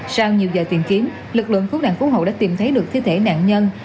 sau nhiều giờ tìm kiếm lực lượng cứu nạn cứu hộ đã tìm thấy được thi thể nạn nhân